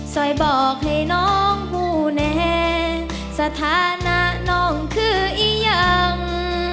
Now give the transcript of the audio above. ซอยบอกให้น้องผู้แน่สถานะน้องคืออียัง